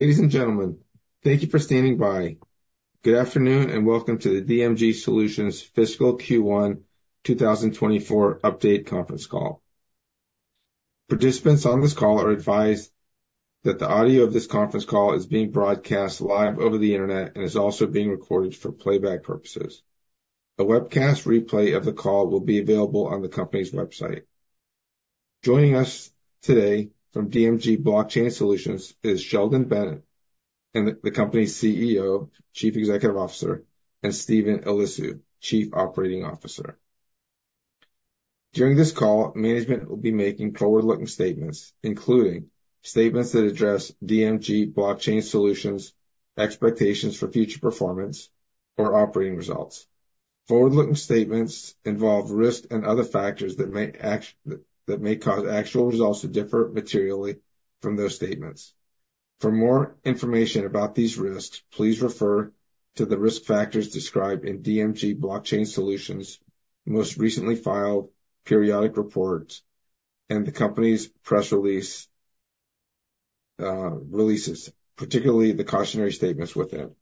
Ladies and gentlemen, thank you for standing by. Good afternoon and welcome to the DMG Blockchain Solutions Fiscal Q1 2024 Update Conference Call. Participants on this call are advised that the audio of this conference call is being broadcast live over the internet and is also being recorded for playback purposes. A webcast replay of the call will be available on the company's website. Joining us today from DMG Blockchain Solutions is Sheldon Bennett, the company's CEO, Chief Executive Officer, and Steven Eliscu, Chief Operating Officer. During this call, management will be making forward-looking statements, including statements that address DMG Blockchain Solutions' expectations for future performance or operating results. Forward-looking statements involve risks and other factors that may cause actual results to differ materially from those statements. For more information about these risks, please refer to the risk factors described in DMG Blockchain Solutions' most recently filed periodic reports and the company's press releases, particularly the cautionary statements within.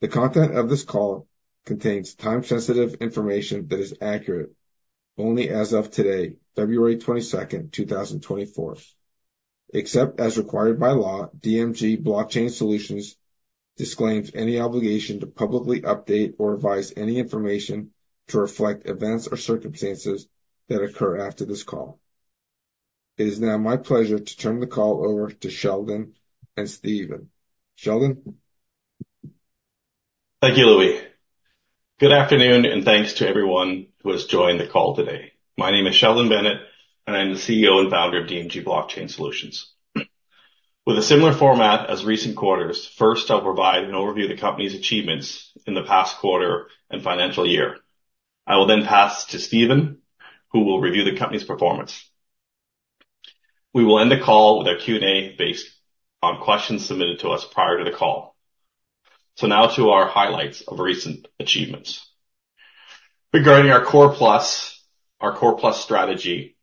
The content of this call contains time-sensitive information that is accurate only as of today, February 22nd, 2024. Except as required by law, DMG Blockchain Solutions disclaims any obligation to publicly update or revise any information to reflect events or circumstances that occur after this call. It is now my pleasure to turn the call over to Sheldon and Steven. Sheldon? Thank you, Louis. Good afternoon and thanks to everyone who has joined the call today. My name is Sheldon Bennett, and I'm the CEO and Founder of DMG Blockchain Solutions. With a similar format as recent quarters, first I'll provide an overview of the company's achievements in the past quarter and financial year. I will then pass to Steven, who will review the company's performance. We will end the call with a Q&A based on questions submitted to us prior to the call. So now to our highlights of recent achievements. Regarding our Core+ strategy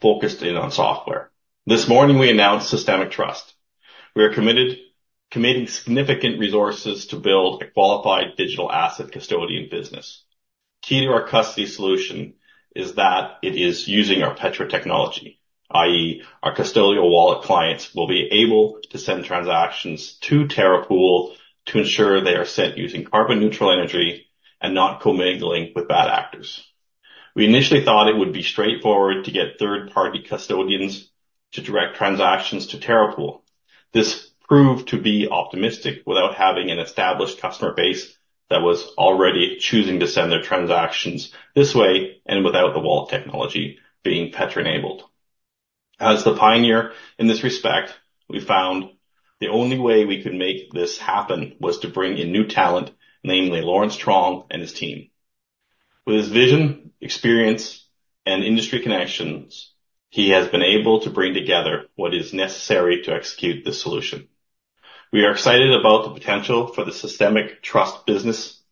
focused in on software, this morning we announced Systemic Trust. We are committing significant resources to build a qualified digital asset custodian business. Key to our custody solution is that it is using our Petra technology, i.e., our custodial wallet clients will be able to send transactions to Terra Pool to ensure they are sent using carbon-neutral energy and not co-mingling with bad actors. We initially thought it would be straightforward to get third-party custodians to direct transactions to Terra Pool. This proved to be optimistic without having an established customer base that was already choosing to send their transactions this way and without the wallet technology being Petra-enabled. As the pioneer in this respect, we found the only way we could make this happen was to bring in new talent, namely Lawrence Truong and his team. With his vision, experience, and industry connections, he has been able to bring together what is necessary to execute this solution. We are excited about the potential for the Systemic Trust business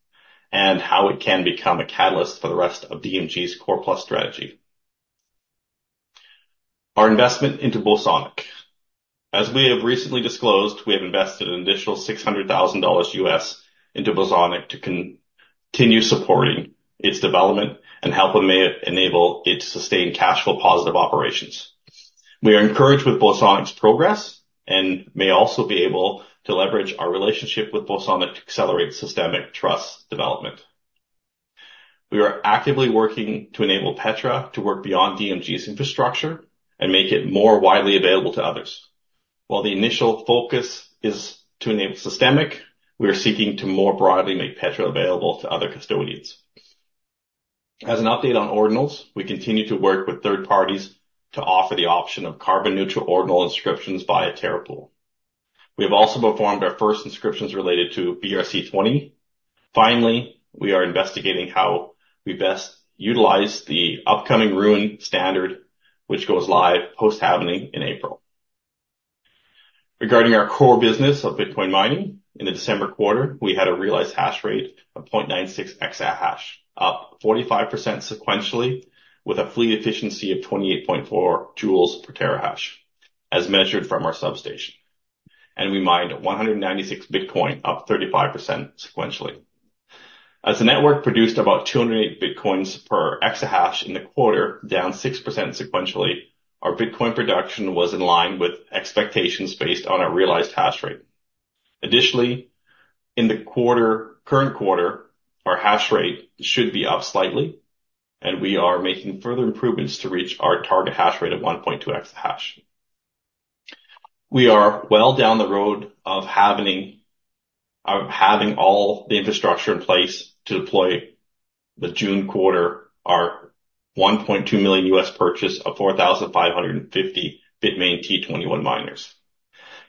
and how it can become a catalyst for the rest of DMG's Core+ strategy. Our investment into Bosonic. As we have recently disclosed, we have invested an additional $600,000 into Bosonic to continue supporting its development and help enable it to sustain cash-flow positive operations. We are encouraged with Bosonic's progress and may also be able to leverage our relationship with Bosonic to accelerate Systemic Trust development. We are actively working to enable Petra to work beyond DMG's Infrastructure and make it more widely available to others. While the initial focus is to enable Systemic Trust, we are seeking to more broadly make Petra available to other custodians. As an update on Ordinals, we continue to work with third parties to offer the option of carbon-neutral Ordinal inscriptions via Terra Pool. We have also performed our first inscriptions related to BRC-20. Finally, we are investigating how we best utilize the upcoming Rune standard, which goes live post-halving in April. Regarding our core business of Bitcoin mining, in the December quarter, we had a realized hash rate of 0.96 exahash, up 45% sequentially with a fleet efficiency of 28.4 J/TH as measured from our substation. And we mined 196 Bitcoin, up 35% sequentially. As the network produced about 208 Bitcoins per exahash in the quarter, down 6% sequentially, our Bitcoin production was in line with expectations based on our realized hash rate. Additionally, in the current quarter, our hash rate should be up slightly, and we are making further improvements to reach our target hash rate of 1.2 exahash. We are well down the road of having all the infrastructure in place to deploy the June quarter, our $1.2 million purchase of 4,550 Bitmain T21 miners.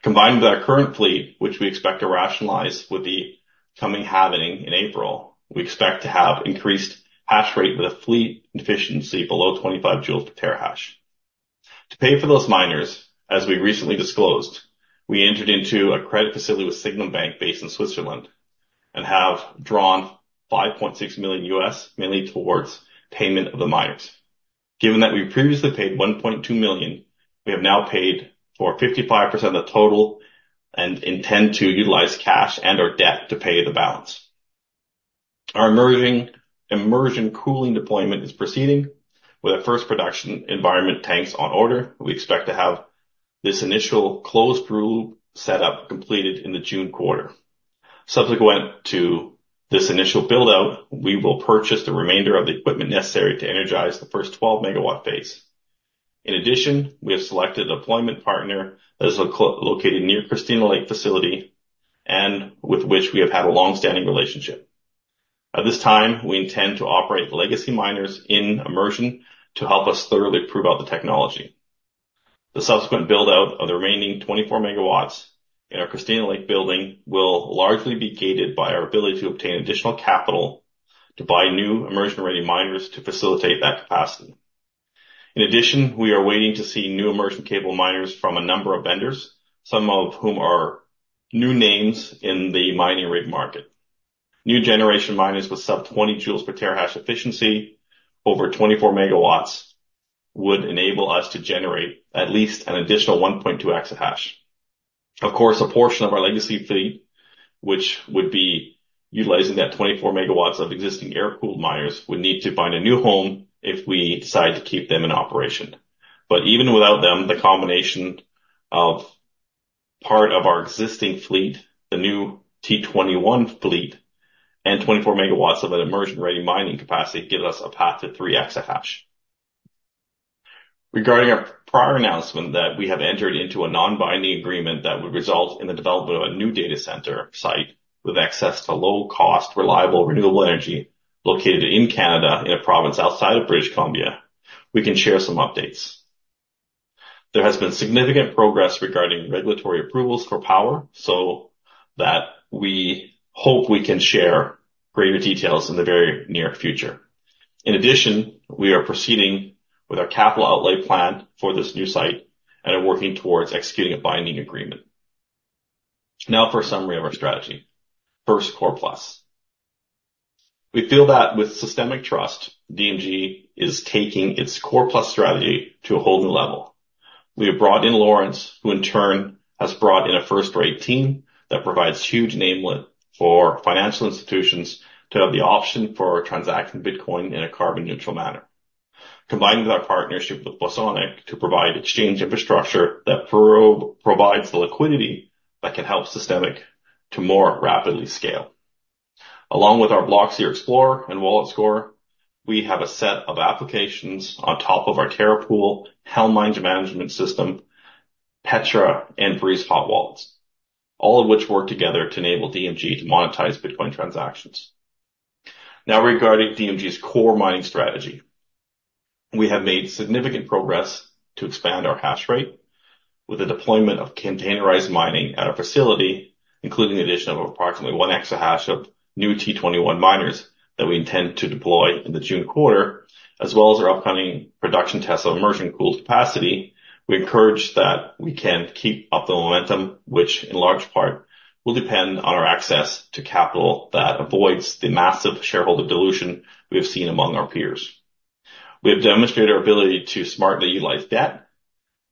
Combined with our current fleet, which we expect to rationalize with the coming halving in April, we expect to have increased hash rate with a fleet efficiency below 25 J/TH. To pay for those miners, as we recently disclosed, we entered into a credit facility with Sygnum Bank based in Switzerland and have drawn $5.6 million, mainly towards payment of the miners. Given that we previously paid $1.2 million, we have now paid for 55% of the total and intend to utilize cash and/or debt to pay the balance. Our immersion cooling deployment is proceeding with our first production environment tanks on order. We expect to have this initial closed-loop setup completed in the June quarter. Following this initial buildout, we will purchase the remaining equipment needed to energize the first 12-megawatt phase. In addition, we have selected a deployment partner that is located near Christina Lake facility and with which we have had a longstanding relationship. At this time, we intend to operate legacy miners in immersion to help us thoroughly prove out the technology. The subsequent buildout of the remaining 24 MW in our Christina Lake building will largely be gated by our ability to obtain additional capital to buy new immersion-ready miners to facilitate that capacity. In addition, we are waiting to see new immersion-cooled miners from a number of vendors, some of whom are new names in the mining hardware market. New generation miners with sub-20 J/TH efficiency over 24 MW would enable us to generate at least an additional 1.2 exahash. Of course, a portion of our legacy fleet, which would be utilizing that 24 MW of existing air-cooled miners, would need to find a new home if we decide to keep them in operation. But even without them, the combination of part of our existing fleet, the new T21 fleet, and 24 MW of an immersion-ready mining capacity gives us a path to 3 exahash. Regarding our prior announcement that we have entered into a non-binding agreement that would result in the development of a new data center site with access to low-cost, reliable, renewable energy located in Canada in a province outside of British Columbia, we can share some updates. There has been significant progress regarding regulatory approvals for power so that we hope we can share greater details in the very near future. In addition, we are proceeding with our capital outlay plan for this new site and are working towards executing a binding agreement. Now for a summary of our strategy. First, Core+. We feel that with Systemic Trust, DMG is taking its Core+ strategy to a whole new level. We have brought in Lawrence, who in turn has brought in a first-rate team that provides huge value for financial institutions to have the option for transacting Bitcoin in a carbon-neutral manner, combining with our partnership with Bosonic to provide exchange infrastructure that provides the liquidity that can help Systemic to more rapidly scale. Along with our Blockseer Explorer and Wallet Score, we have a set of applications on top of our Terra Pool, Helm Management System, Petra, and Breeze Hot Wallets, all of which work together to enable DMG to monetize Bitcoin transactions. Now regarding DMG's core mining strategy, we have made significant progress to expand our hash rate with the deployment of containerized mining at our facility, including the addition of approximately 1 exahash of new T21 miners that we intend to deploy in the June quarter, as well as our upcoming production tests of immersion-cooled capacity. We encourage that we can keep up the momentum, which in large part will depend on our access to capital that avoids the massive shareholder dilution we have seen among our peers. We have demonstrated our ability to smartly utilize debt,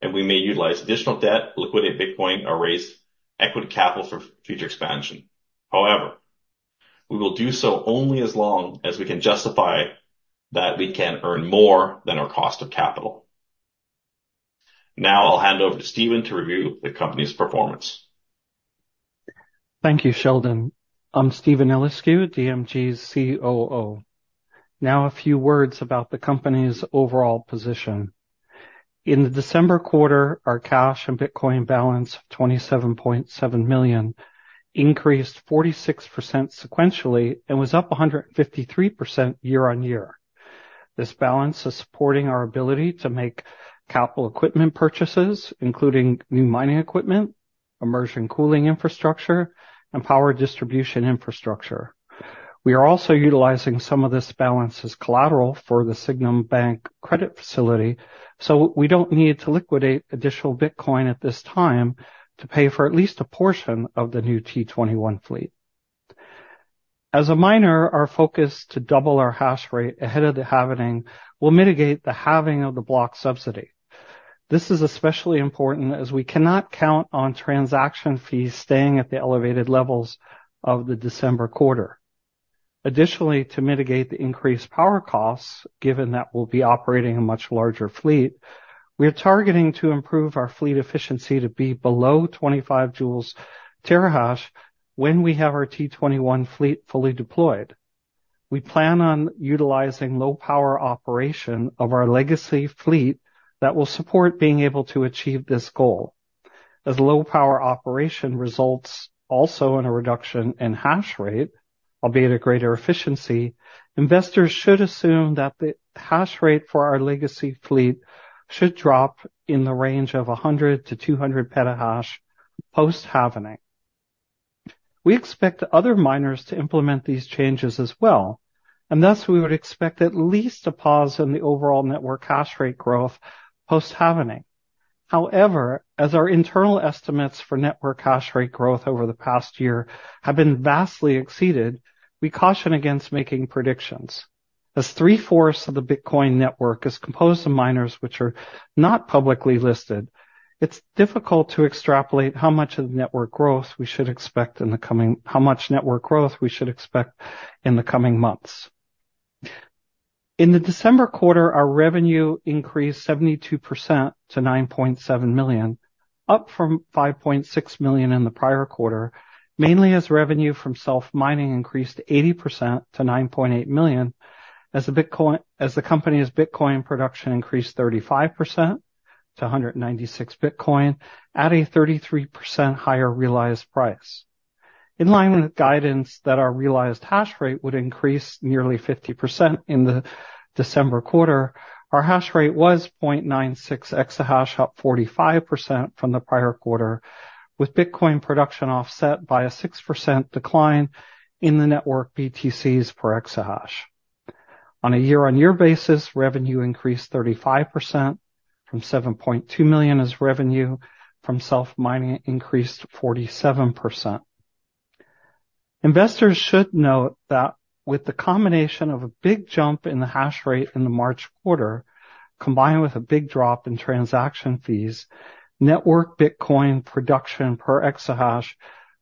and we may utilize additional debt, liquidate Bitcoin, or raise equity capital for future expansion. However, we will do so only as long as we can justify that we can earn more than our cost of capital. Now I'll hand over to Steven to review the company's performance. Thank you, Sheldon. I'm Steven Eliscu, DMG's COO. Now a few words about the company's overall position. In the December quarter, our cash and Bitcoin balance of $27.7 million increased 46% sequentially and was up 153% year-over-year. This balance is supporting our ability to make capital equipment purchases, including new mining equipment, immersion cooling infrastructure, and power distribution infrastructure. We are also utilizing some of this balance as collateral for the Sygnum Bank credit facility, so we don't need to liquidate additional Bitcoin at this time to pay for at least a portion of the new T21 fleet. As a miner, our focus to double our hash rate ahead of the halving will mitigate the halving of the block subsidy. This is especially important as we cannot count on transaction fees staying at the elevated levels of the December quarter. Additionally, to mitigate the increased power costs, given that we'll be operating a much larger fleet, we are targeting to improve our fleet efficiency to be below 25 J/TH when we have our T21 fleet fully deployed. We plan on utilizing low-power operation of our legacy fleet that will support being able to achieve this goal. As low-power operation results also in a reduction in hash rate, albeit a greater efficiency, investors should assume that the hash rate for our legacy fleet should drop in the range of 100-200 petahash post-halving. We expect other miners to implement these changes as well, and thus we would expect at least a pause in the overall network hash rate growth post-halving. However, as our internal estimates for network hash rate growth over the past year have been vastly exceeded, we caution against making predictions. As three-fourths of the Bitcoin network is composed of miners which are not publicly listed, it's difficult to extrapolate how much network growth we should expect in the coming months. In the December quarter, our revenue increased 72% to 9.7 million, up from 5.6 million in the prior quarter, mainly as revenue from self-mining increased 80% to 9.8 million, as the company's Bitcoin production increased 35% to 196 Bitcoin at a 33% higher realized price. In line with guidance that our realized hash rate would increase nearly 50% in the December quarter, our hash rate was 0.96 exahash, up 45% from the prior quarter, with Bitcoin production offset by a 6% decline in the network BTCs per exahash. On a year-on-year basis, revenue increased 35% from 7.2 million as revenue from self-mining increased 47%. Investors should note that with the combination of a big jump in the hash rate in the March quarter, combined with a big drop in transaction fees, network Bitcoin production per exahash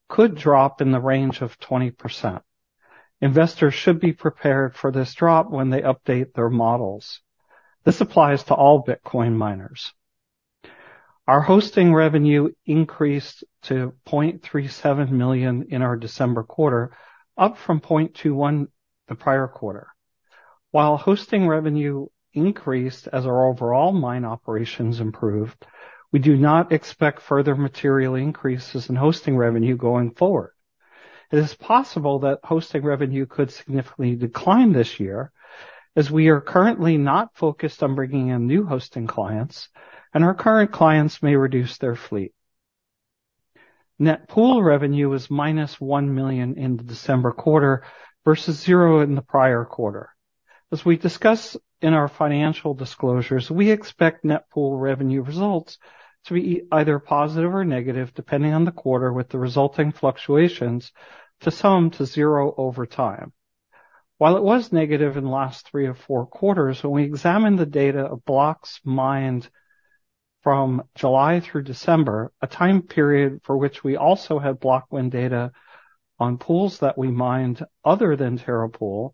could drop in the range of 20%. Investors should be prepared for this drop when they update their models. This applies to all Bitcoin miners. Our hosting revenue increased to 0.37 million in our December quarter, up from 0.21 million the prior quarter. While hosting revenue increased as our overall mine operations improved, we do not expect further material increases in hosting revenue going forward. It is possible that hosting revenue could significantly decline this year as we are currently not focused on bringing in new hosting clients, and our current clients may reduce their fleet. Net pool revenue was -1 million in the December quarter versus 0 in the prior quarter. As we discuss in our financial disclosures, we expect net pool revenue results to be either positive or negative depending on the quarter, with the resulting fluctuations to sum to zero over time. While it was negative in the last three or four quarters, when we examined the data of blocks mined from July through December, a time period for which we also had block win data on pools that we mined other than Terra Pool,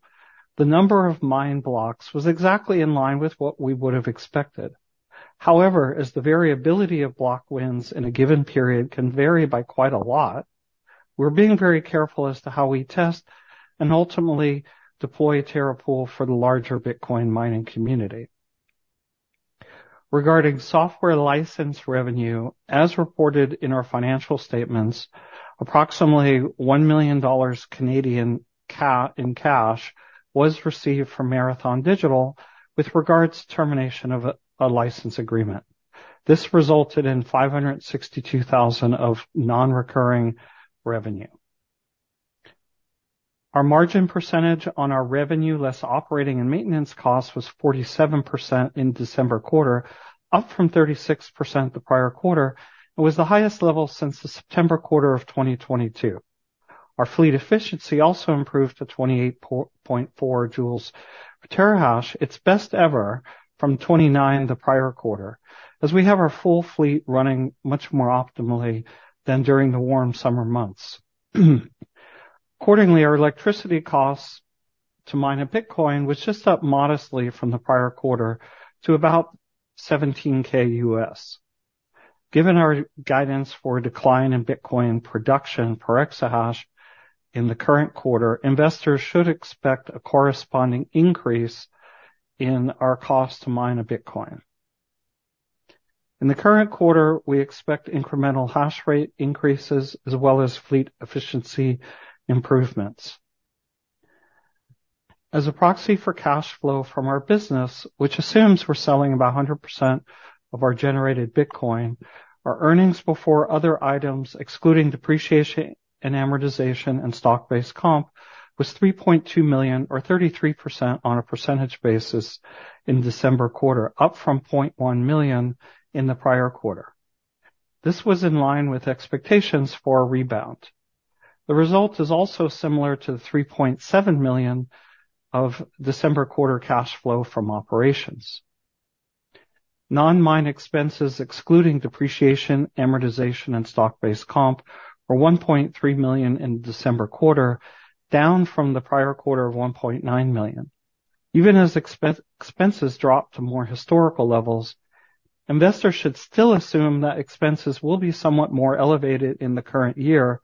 the number of mined blocks was exactly in line with what we would have expected. However, as the variability of block wins in a given period can vary by quite a lot, we're being very careful as to how we test and ultimately deploy Terra Pool for the larger Bitcoin mining community. Regarding software license revenue, as reported in our financial statements, approximately 1 million Canadian dollars in cash was received from Marathon Digital with regards to termination of a license agreement. This resulted in 562,000 of non-recurring revenue. Our margin percentage on our revenue-less operating and maintenance costs was 47% in December quarter, up from 36% the prior quarter, and was the highest level since the September quarter of 2022. Our fleet efficiency also improved to 28.4 J/TH, its best ever from 29 the prior quarter, as we have our full fleet running much more optimally than during the warm summer months. Accordingly, our electricity costs to mine a Bitcoin was just up modestly from the prior quarter to about $17,000. Given our guidance for a decline in Bitcoin production per exahash in the current quarter, investors should expect a corresponding increase in our cost to mine a Bitcoin. In the current quarter, we expect incremental hash rate increases as well as fleet efficiency improvements. As a proxy for cash flow from our business, which assumes we're selling about 100% of our generated Bitcoin, our earnings before other items, excluding depreciation, and amortization, and stock-based comp, was $3.2 million or 33% on a percentage basis in December quarter, up from $0.1 million in the prior quarter. This was in line with expectations for a rebound. The result is also similar to the $3.7 million of December quarter cash flow from operations. Non-mine expenses, excluding depreciation, amortization, and stock-based comp, were $1.3 million in December quarter, down from the prior quarter of $1.9 million. Even as expenses drop to more historical levels, investors should still assume that expenses will be somewhat more elevated in the current year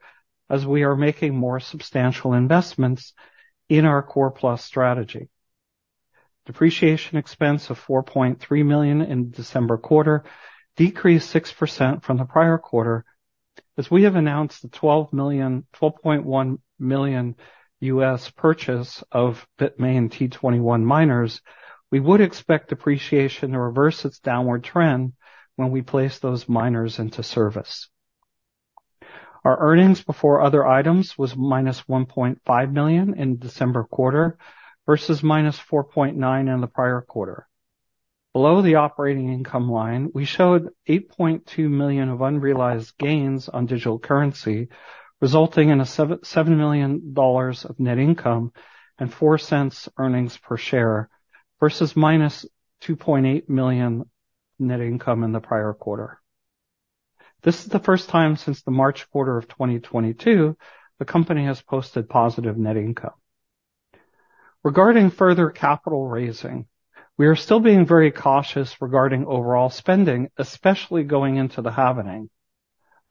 as we are making more substantial investments in our Core+ strategy. Depreciation expense of $4.3 million in December quarter decreased 6% from the prior quarter. As we have announced the $12.1 million US purchase of Bitmain T21 miners, we would expect depreciation to reverse its downward trend when we place those miners into service. Our earnings before other items were -$1.5 million in December quarter versus -$4.9 million in the prior quarter. Below the operating income line, we showed $8.2 million of unrealized gains on digital currency, resulting in $7 million of net income and $0.04 earnings per share versus -$2.8 million net income in the prior quarter. This is the first time since the March quarter of 2022 the company has posted positive net income. Regarding further capital raising, we are still being very cautious regarding overall spending, especially going into the halving.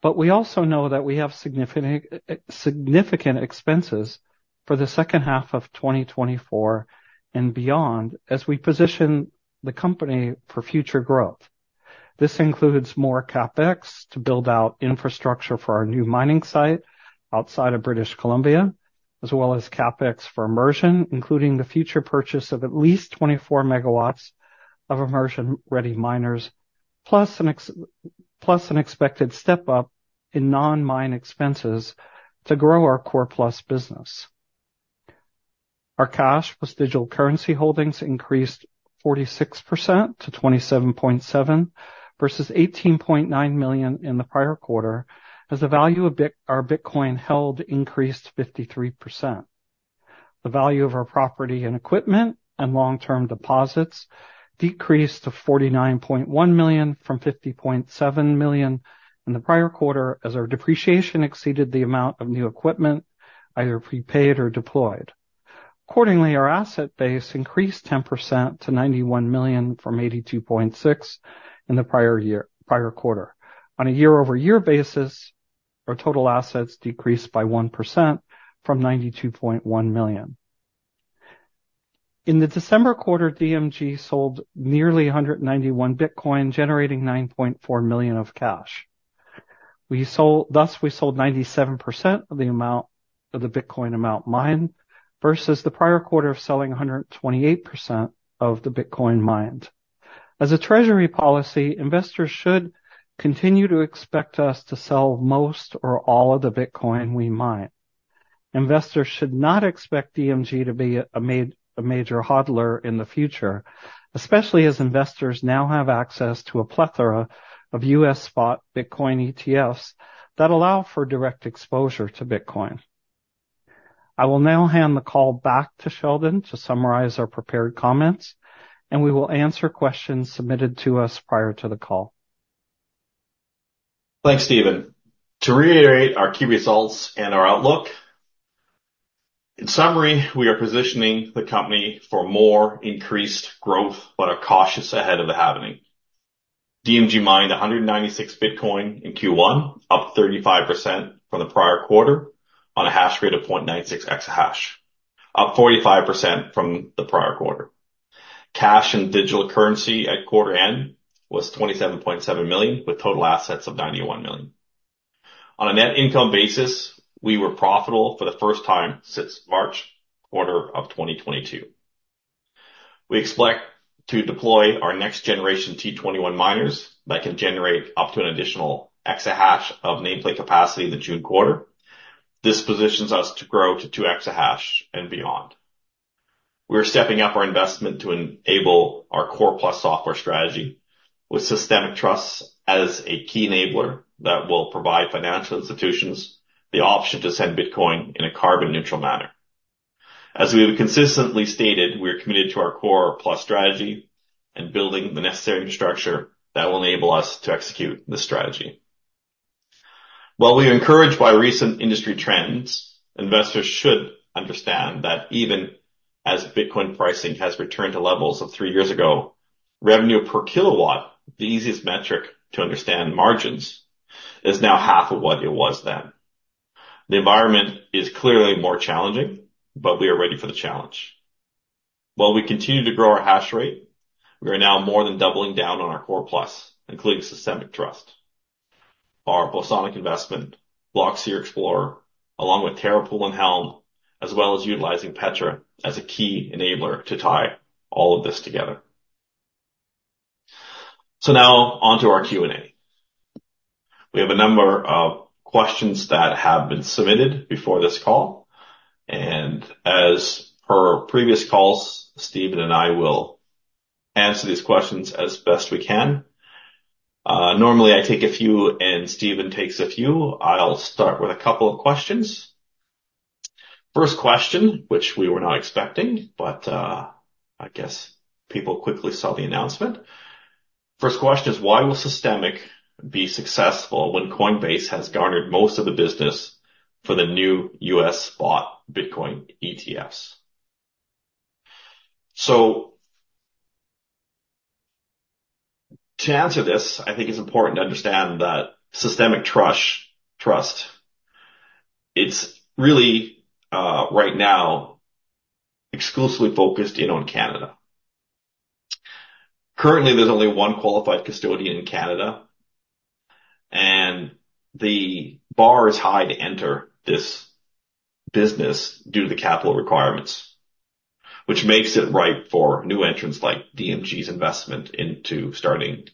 But we also know that we have significant expenses for the second half of 2024 and beyond as we position the company for future growth. This includes more CapEx to build out infrastructure for our new mining site outside of British Columbia, as well as CapEx for immersion, including the future purchase of at least 24 MW of immersion-ready miners, plus an expected step up in non-mine expenses to grow our Core+ business. Our cash plus digital currency holdings increased 46% to $27.7 million versus $18.9 million in the prior quarter as the value of our Bitcoin held increased 53%. The value of our property and equipment and long-term deposits decreased to $49.1 million from $50.7 million in the prior quarter as our depreciation exceeded the amount of new equipment, either prepaid or deployed. Accordingly, our asset base increased 10% to $91 million from $82.6 million in the prior quarter. On a year-over-year basis, our total assets decreased by 1% from $92.1 million. In the December quarter, DMG sold nearly 191 Bitcoin, generating $9.4 million of cash. Thus, we sold 97% of the amount of the Bitcoin amount mined versus the prior quarter of selling 128% of the Bitcoin mined. As a treasury policy, investors should continue to expect us to sell most or all of the Bitcoin we mine. Investors should not expect DMG to be a major hodler in the future, especially as investors now have access to a plethora of US spot Bitcoin ETFs that allow for direct exposure to Bitcoin. I will now hand the call back to Sheldon to summarize our prepared comments, and we will answer questions submitted to us prior to the call. Thanks, Steven. To reiterate our key results and our outlook, in summary, we are positioning the company for more increased growth, but are cautious ahead of the Halving. DMG mined 196 Bitcoin in Q1, up 35% from the prior quarter on a hash rate of 0.96 exahash, up 45% from the prior quarter. Cash and digital currency at quarter end was $27.7 million with total assets of $91 million. On a net income basis, we were profitable for the first time since March quarter of 2022. We expect to deploy our next-generation T21 miners that can generate up to an additional exahash of nameplate capacity in the June quarter. This positions us to grow to 2 exahash and beyond. We are stepping up our investment to enable our Core+ software strategy with Systemic Trust as a key enabler that will provide financial institutions the option to send Bitcoin in a carbon-neutral manner. As we have consistently stated, we are committed to our Core+ strategy and building the necessary infrastructure that will enable us to execute this strategy. While we are encouraged by recent industry trends, investors should understand that even as Bitcoin pricing has returned to levels of three years ago, revenue per kilowatt, the easiest metric to understand margins, is now half of what it was then. The environment is clearly more challenging, but we are ready for the challenge. While we continue to grow our hash rate, we are now more than doubling down on our Core+, including Systemic Trust. Our Bosonic investment, Blockseer Explorer, along with Terra Pool and Helm, as well as utilizing Petra as a key enabler to tie all of this together. So now onto our Q&A. We have a number of questions that have been submitted before this call. And as per previous calls, Steven and I will answer these questions as best we can. Normally, I take a few and Steven takes a few. I'll start with a couple of questions. First question, which we were not expecting, but I guess people quickly saw the announcement. First question is, why will Systemic be successful when Coinbase has garnered most of the business for the new U.S. spot Bitcoin ETFs? So to answer this, I think it's important to understand that Systemic Trust, it's really right now exclusively focused in on Canada. Currently, there's only one qualified custodian in Canada, and the bar is high to enter this business due to the capital requirements, which makes it right for new entrants like DMG's investment into starting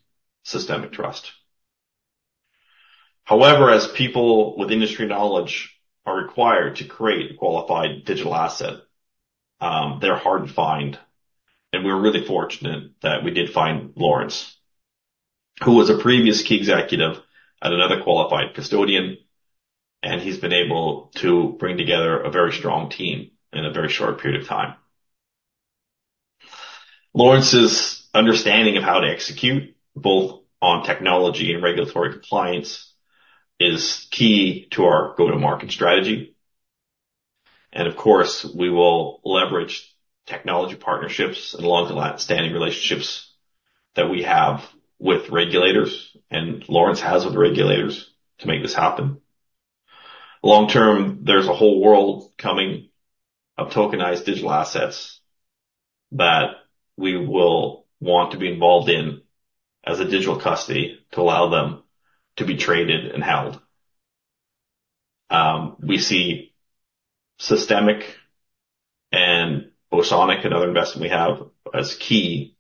Systemic Trust. However, as people with industry knowledge are required to create a qualified digital asset, they're hard to find. We're really fortunate that we did find Lawrence, who was a previous key executive at another qualified custodian, and he's been able to bring together a very strong team in a very short period of time. Lawrence's understanding of how to execute, both on technology and regulatory compliance, is key to our go-to-market strategy. And of course, we will leverage technology partnerships and long-standing relationships that we have with regulators and Lawrence has with regulators to make this happen. Long-term, there's a whole world coming of tokenized digital assets that we will want to be involved in as a digital custody to allow them to be traded and held. We see Systemic and Bosonic and other investments we have as key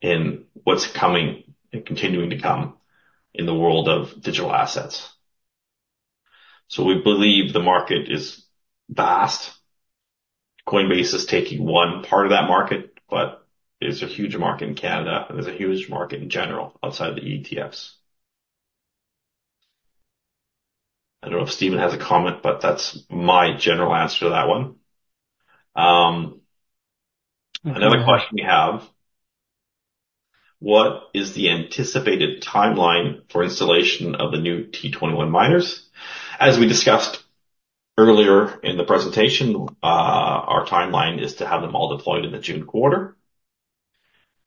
in what's coming and continuing to come in the world of digital assets. So we believe the market is vast. Coinbase is taking one part of that market, but there's a huge market in Canada, and there's a huge market in general outside the ETFs. I don't know if Steven has a comment, but that's my general answer to that one. Another question we have, what is the anticipated timeline for installation of the new T21 miners? As we discussed earlier in the presentation, our timeline is to have them all deployed in the June quarter.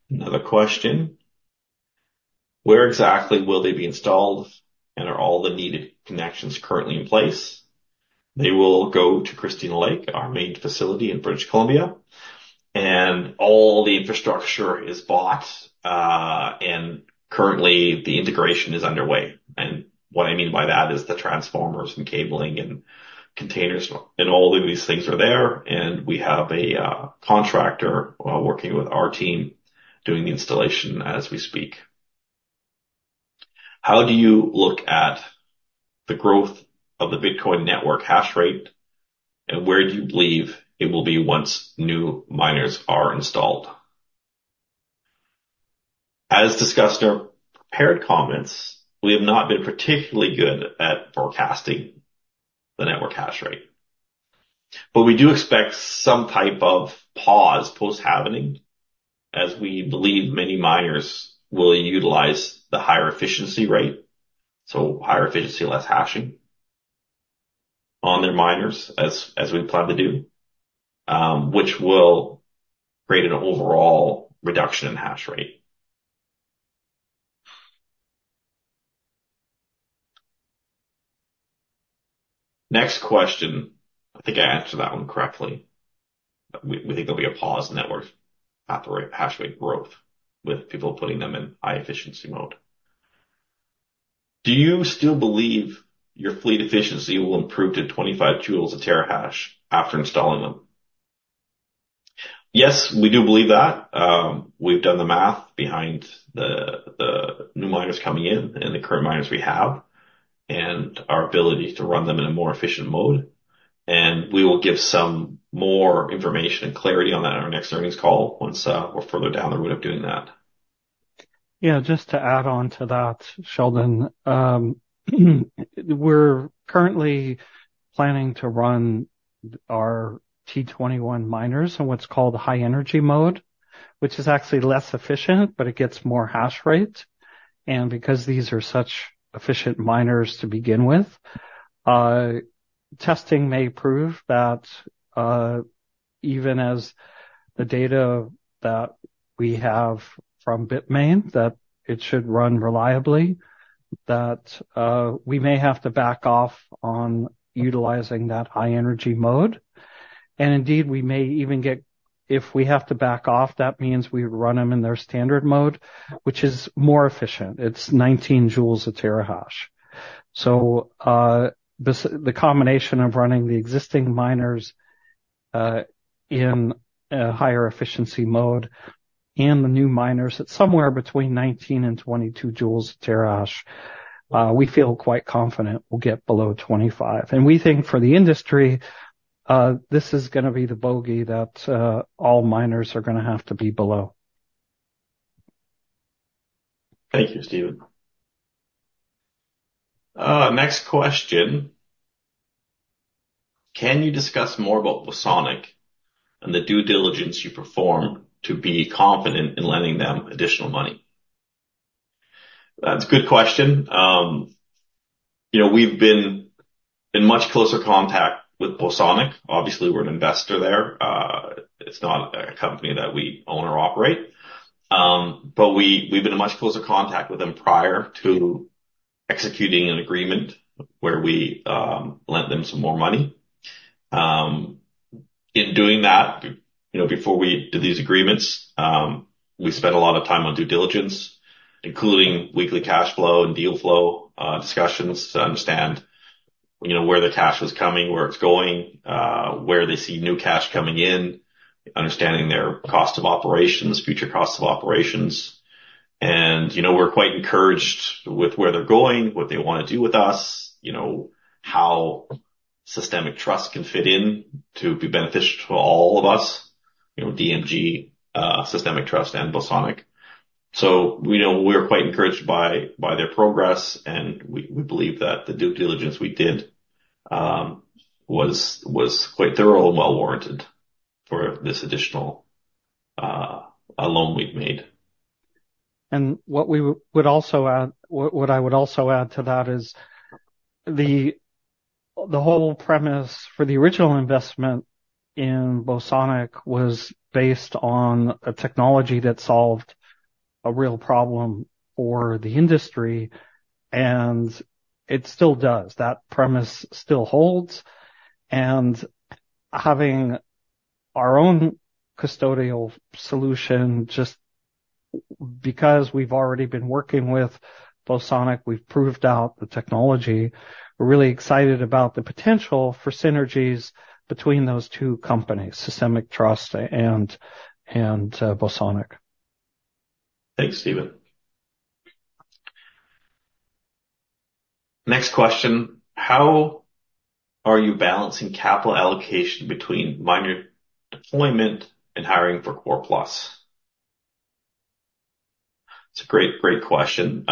Another question, where exactly will they be installed, and are all the needed connections currently in place? They will go to Christina Lake, our main facility in British Columbia. All the infrastructure is bought, and currently, the integration is underway. What I mean by that is the transformers and cabling and containers, and all of these things are there. We have a contractor working with our team doing the installation as we speak. How do you look at the growth of the Bitcoin network hash rate, and where do you believe it will be once new miners are installed? As discussed in our prepared comments, we have not been particularly good at forecasting the network hash rate. But we do expect some type of pause post-halving as we believe many miners will utilize the higher efficiency rate, so higher efficiency, less hashing on their miners as we plan to do, which will create an overall reduction in hash rate. Next question, I think I answered that one correctly. We think there'll be a pause in network hash rate growth with people putting them in high-efficiency mode. Do you still believe your fleet efficiency will improve to 25 J/TH after installing them? Yes, we do believe that. We've done the math behind the new miners coming in and the current miners we have and our ability to run them in a more efficient mode. And we will give some more information and clarity on that in our next earnings call once we're further down the road of doing that. Yeah, just to add on to that, Sheldon, we're currently planning to run our T21 miners in what's called high-energy mode, which is actually less efficient, but it gets more hash rate. And because these are such efficient miners to begin with, testing may prove that even as the data that we have from Bitmain, that it should run reliably, that we may have to back off on utilizing that high-energy mode. And indeed, we may even get if we have to back off, that means we run them in their standard mode, which is more efficient. It's 19 J/TH. So the combination of running the existing miners in higher efficiency mode and the new miners at somewhere between 19-22 J/TH, we feel quite confident we'll get below 25 J/TH. We think for the industry, this is going to be the bogey that all miners are going to have to be below. Thank you, Steven. Next question, can you discuss more about Bosonic and the due diligence you perform to be confident in lending them additional money? That's a good question. We've been in much closer contact with Bosonic. Obviously, we're an investor there. It's not a company that we own or operate. But we've been in much closer contact with them prior to executing an agreement where we lent them some more money. In doing that, before we did these agreements, we spent a lot of time on due diligence, including weekly cash flow and deal flow discussions to understand where the cash was coming, where it's going, where they see new cash coming in, understanding their cost of operations, future cost of operations. We're quite encouraged with where they're going, what they want to do with us, how Systemic Trust can fit in to be beneficial to all of us, DMG, Systemic Trust, and Bosonic. We are quite encouraged by their progress, and we believe that the due diligence we did was quite thorough and well-warranted for this additional loan we've made. What I would also add to that is the whole premise for the original investment in Bosonic was based on a technology that solved a real problem for the industry, and it still does. That premise still holds. Having our own custodial solution, just because we've already been working with Bosonic, we've proved out the technology. We're really excited about the potential for synergies between those two companies, Systemic Trust and Bosonic. Thanks, Steven. Next question, how are you balancing capital allocation between miner deployment and hiring for Core+? It's a great, great question.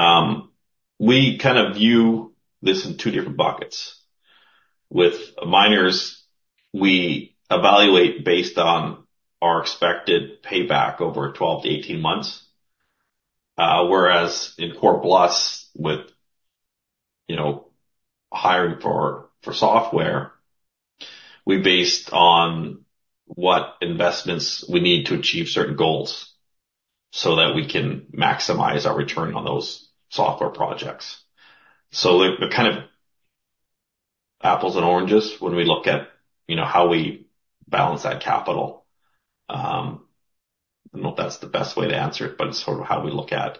We kind of view this in two different buckets. With miners, we evaluate based on our expected payback over 12-18 months. Whereas in Core+, with hiring for software, we base it on what investments we need to achieve certain goals so that we can maximize our return on those software projects. So they're kind of apples and oranges when we look at how we balance that capital. I don't know if that's the best way to answer it, but it's sort of how we look at.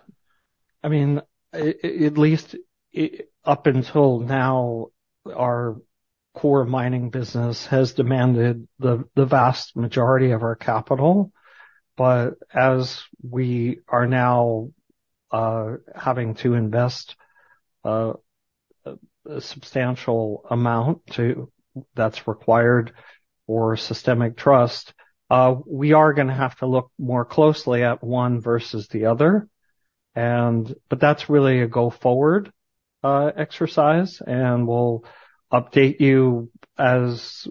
I mean, at least up until now, our core mining business has demanded the vast majority of our capital. But as we are now having to invest a substantial amount that's required for Systemic Trust, we are going to have to look more closely at one versus the other. But that's really a go-forward exercise. And we'll update you as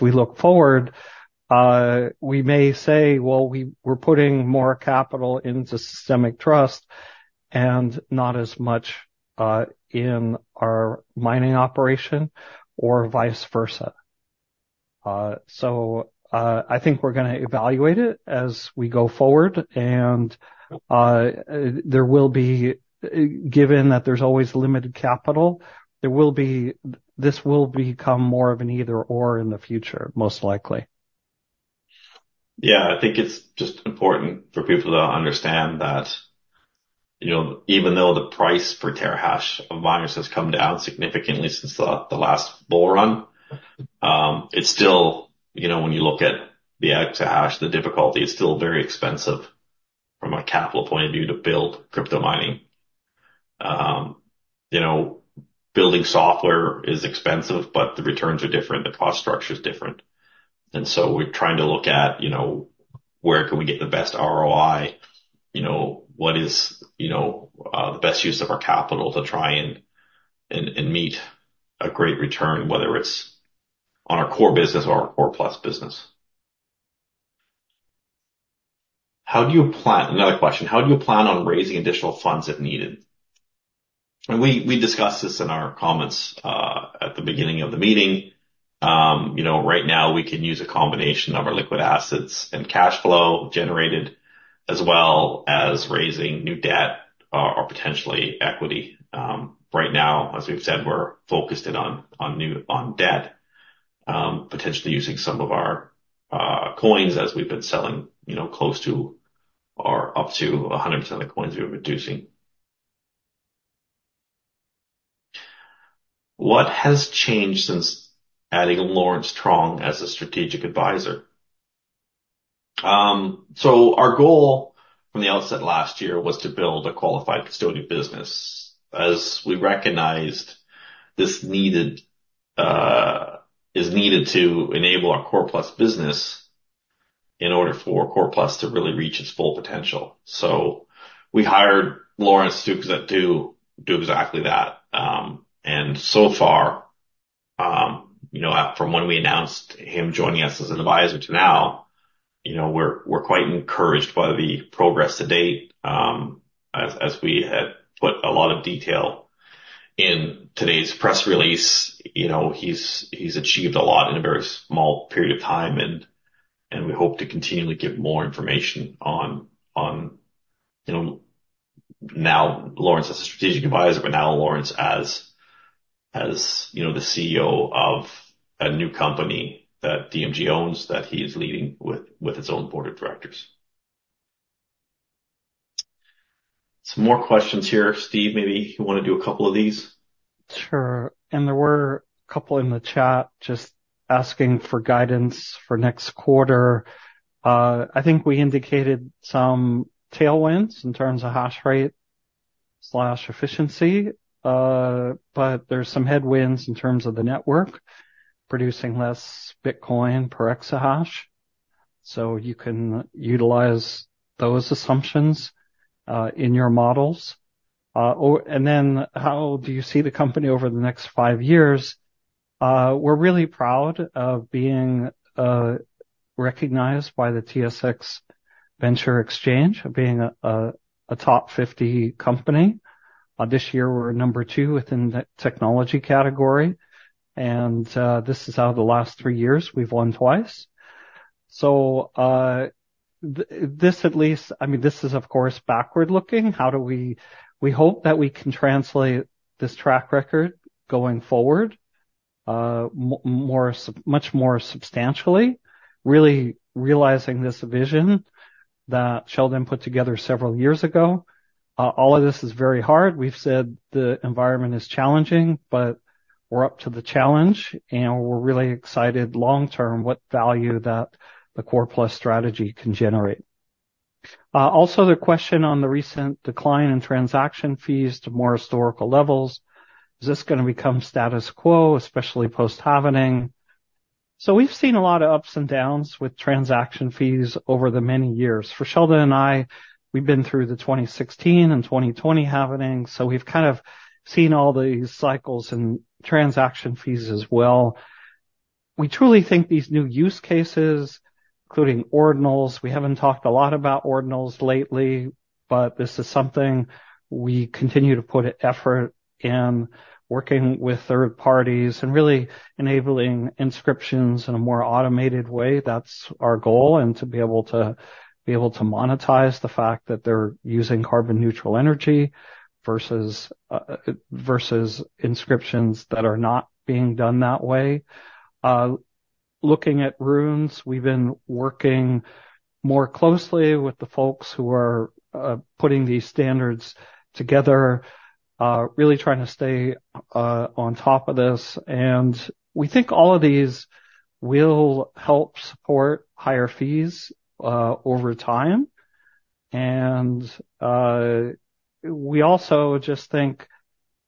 we look forward. We may say, "Well, we're putting more capital into Systemic Trust and not as much in our mining operation," or vice versa. So I think we're going to evaluate it as we go forward. And given that there's always limited capital, this will become more of an either/or in the future, most likely. Yeah, I think it's just important for people to understand that even though the price for terahash of miners has come down significantly since the last bull run, it's still, when you look at the exahash, the difficulty, it's still very expensive from a capital point of view to build crypto mining. Building software is expensive, but the returns are different. The cost structure is different. And so we're trying to look at where can we get the best ROI? What is the best use of our capital to try and meet a great return, whether it's on our core business or our Core+ business? How do you plan, another question. How do you plan on raising additional funds if needed? And we discussed this in our comments at the beginning of the meeting. Right now, we can use a combination of our liquid assets and cash flow generated as well as raising new debt or potentially equity. Right now, as we've said, we're focused in on debt, potentially using some of our coins as we've been selling close to or up to 100% of the coins we were producing. What has changed since adding Lawrence Truong as a strategic advisor? So our goal from the outset last year was to build a qualified custody business as we recognized this is needed to enable our Core+ business in order for Core+ to really reach its full potential. So we hired Lawrence to do exactly that. And so far, from when we announced him joining us as an advisor to now, we're quite encouraged by the progress to date. As we had put a lot of detail in today's press release, he's achieved a lot in a very small period of time. We hope to continually give more information on now Lawrence as a strategic advisor, but now Lawrence as the CEO of a new company that DMG owns that he is leading with its own board of directors. Some more questions here, Steve. Maybe you want to do a couple of these. Sure. There were a couple in the chat just asking for guidance for next quarter. I think we indicated some tailwinds in terms of hash rate/efficiency. There's some headwinds in terms of the network producing less Bitcoin per exahash. So you can utilize those assumptions in your models. Then how do you see the company over the next five years? We're really proud of being recognized by the TSX Venture Exchange, being a top 50 company. This year, we're number two within the technology category. This is how the last three years, we've won twice. So this, at least I mean, this is, of course, backward-looking. We hope that we can translate this track record going forward much more substantially, really realizing this vision that Sheldon put together several years ago. All of this is very hard. We've said the environment is challenging, but we're up to the challenge. We're really excited long-term what value that the Core+ strategy can generate. Also, the question on the recent decline in transaction fees to more historical levels. Is this going to become status quo, especially post-halving? So we've seen a lot of ups and downs with transaction fees over the many years. For Sheldon and I, we've been through the 2016 and 2020 halving. So we've kind of seen all these cycles and transaction fees as well. We truly think these new use cases, including Ordinals—we haven't talked a lot about Ordinals lately, but this is something we continue to put effort in, working with third parties and really enabling Inscriptions in a more automated way. That's our goal. And to be able to monetize the fact that they're using carbon-neutral energy versus Inscriptions that are not being done that way. Looking at Runes, we've been working more closely with the folks who are putting these standards together, really trying to stay on top of this. And we think all of these will help support higher fees over time. We also just think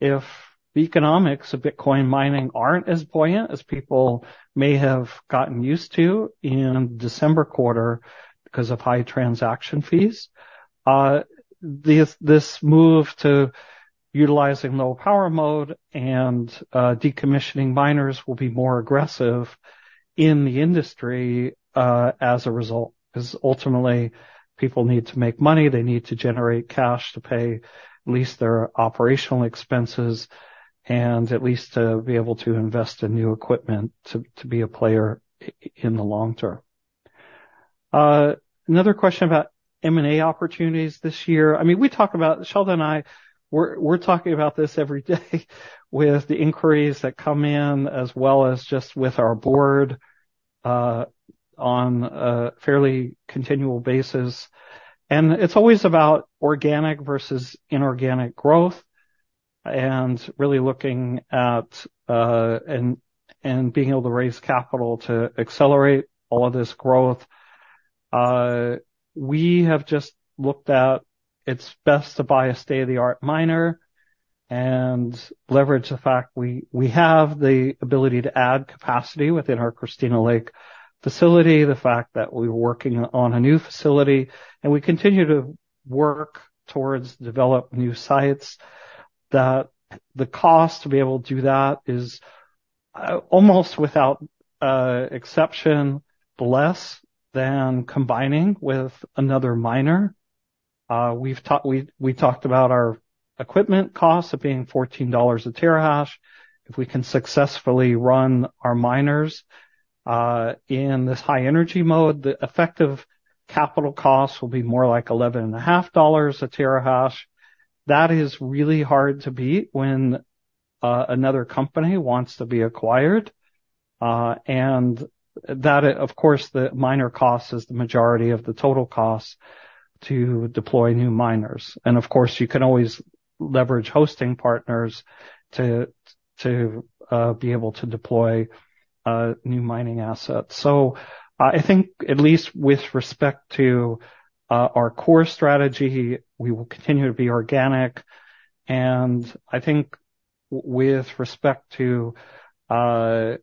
if the economics of Bitcoin mining aren't as buoyant as people may have gotten used to in December quarter because of high transaction fees, this move to utilizing low-power mode and decommissioning miners will be more aggressive in the industry as a result. Because ultimately, people need to make money. They need to generate cash to pay at least their operational expenses and at least to be able to invest in new equipment to be a player in the long term. Another question about M&A opportunities this year. I mean, we talk about Sheldon and I, we're talking about this every day with the inquiries that come in as well as just with our board on a fairly continual basis. It's always about organic versus inorganic growth and really looking at and being able to raise capital to accelerate all of this growth. We have just looked at it’s best to buy a state-of-the-art miner and leverage the fact we have the ability to add capacity within our Christina Lake facility, the fact that we’re working on a new facility, and we continue to work towards developing new sites. The cost to be able to do that is almost without exception less than combining with another miner. We talked about our equipment costs of being $14 a terahash. If we can successfully run our miners in this high-energy mode, the effective capital cost will be more like $11.5 a terahash. That is really hard to beat when another company wants to be acquired. And of course, the miner cost is the majority of the total cost to deploy new miners. And of course, you can always leverage hosting partners to be able to deploy new mining assets. So I think at least with respect to our core strategy, we will continue to be organic. And I think with respect to our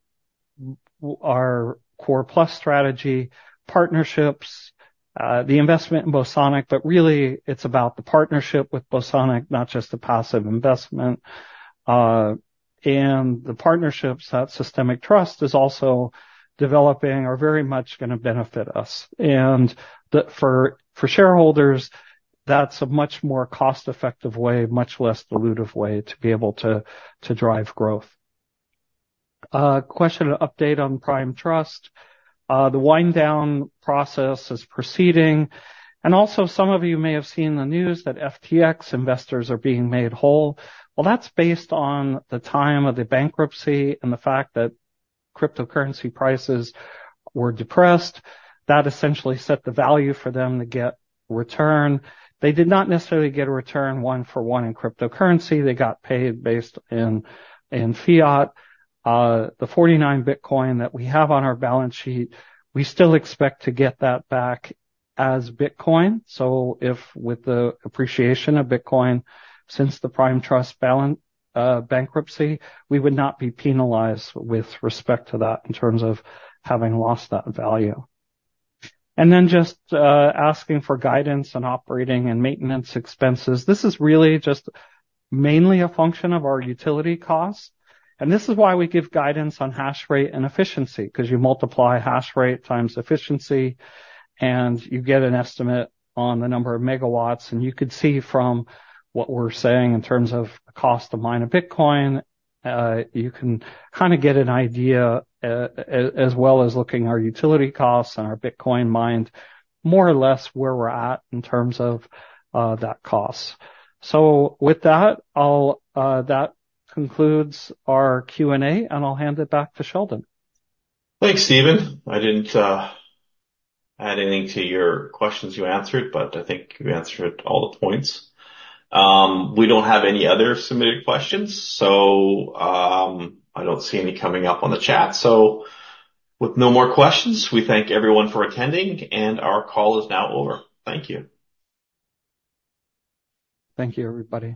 Core+ strategy, partnerships, the investment in Bosonic, but really, it's about the partnership with Bosonic, not just the passive investment. And the partnerships that Systemic Trust is also developing are very much going to benefit us. And for shareholders, that's a much more cost-effective way, much less dilutive way to be able to drive growth. Question, an update on Prime Trust. The wind-down process is proceeding. And also, some of you may have seen the news that FTX investors are being made whole. Well, that's based on the time of the bankruptcy and the fact that cryptocurrency prices were depressed. That essentially set the value for them to get return. They did not necessarily get a return one-for-one in cryptocurrency. They got paid based in fiat. The 49 Bitcoin that we have on our balance sheet, we still expect to get that back as Bitcoin. So with the appreciation of Bitcoin since the Prime Trust bankruptcy, we would not be penalized with respect to that in terms of having lost that value. And then just asking for guidance on operating and maintenance expenses. This is really just mainly a function of our utility costs. And this is why we give guidance on hash rate and efficiency. Because you multiply hash rate times efficiency, and you get an estimate on the number of megawatts. And you could see from what we're saying in terms of the cost to mine a Bitcoin, you can kind of get an idea as well as looking at our utility costs and our Bitcoin mined, more or less where we're at in terms of that cost. So with that, that concludes our Q&A. And I'll hand it back to Sheldon. Thanks, Steven. I didn't add anything to your questions you answered, but I think you answered all the points. We don't have any other submitted questions. So I don't see any coming up on the chat. So with no more questions, we thank everyone for attending. And our call is now over. Thank you. Thank you, everybody.